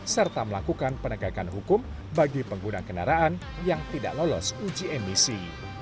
serta melakukan penegakan hukum bagi pengguna kendaraan yang tidak lolos uji emisi